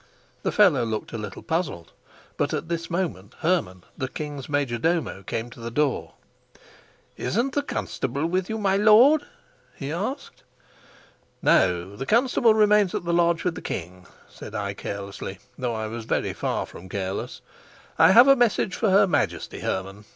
The fellow looked a little puzzled, but at this moment Hermann, the king's major domo, came to the door. "Isn't the constable with you, my lord?" he asked. "No, the constable remains at the lodge with the king," said I carelessly, though I was very far from careless. "I have a message for her Majesty, Hermann.